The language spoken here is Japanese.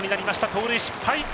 盗塁失敗！